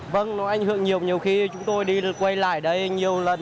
vâng nó ảnh hưởng nhiều nhiều khi chúng tôi đi quay lại đây nhiều lần